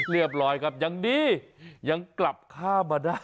เรียบร้อยครับยังดียังกลับข้ามมาได้